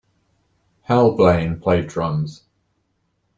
Hal Blaine played drums.